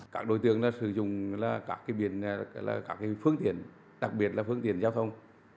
các đối tượng sử dụng các phương tiện đặc biệt là phương tiện giao thông